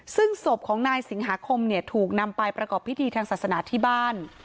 ซึ่งศพของนายสิงหาคมเนี่ยถูกนำไปประกอบพิธีทางศาสนาที่บ้าน